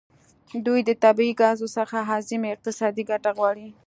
دوی د طبیعي ګازو څخه اعظمي اقتصادي ګټه غواړي